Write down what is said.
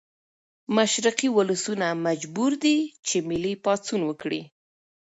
مشرقي ولسونه مجبوري دي چې ملي پاڅون وکړي.